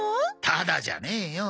タダじゃねえよ。